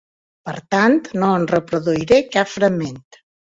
Per tant, no en reproduiré cap fragment.